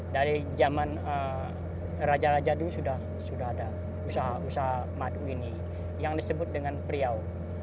dari zaman raja raja dulu sudah ada usaha usaha madu ini yang disebut dengan priau